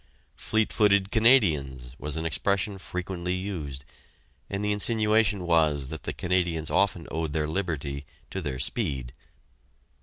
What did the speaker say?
"Fleet footed Canadians" was an expression frequently used, and the insinuation was that the Canadians often owed their liberty to their speed.